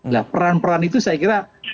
nah peran peran itu saya kira